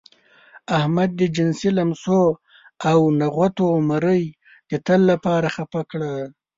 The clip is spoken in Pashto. احمد د جنسي لمسو او نغوتو مرۍ د تل لپاره خپه کړه.